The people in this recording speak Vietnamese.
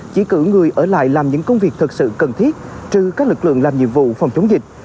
chỉ cử người ở lại làm những công việc thật sự cần thiết trừ các lực lượng làm nhiệm vụ phòng chống dịch